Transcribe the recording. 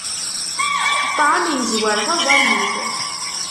Ṭṭɛam yezwar taẓẓalit.